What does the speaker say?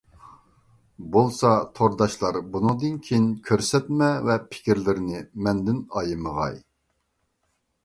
بولسا تورداشلار بۇنىڭدىن كېيىن كۆرسەتمە ۋە پىكىرلىرىنى مەندىن ئايىمىغاي.